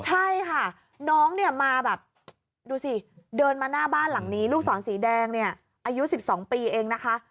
ใช่ค่ะน้องเนี่ยมาแบบดูสิเดินมาหน้าบ้านหลังนี้ลูกศรสีแดงเนี่ยอายุ๑๒ปีเองนะคะ